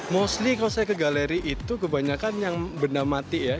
mostly kalau saya ke galeri itu kebanyakan yang benda mati ya